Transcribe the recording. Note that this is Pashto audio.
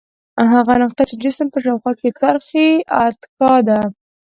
هغه نقطه چې جسم په شاوخوا څرخي اتکا ده.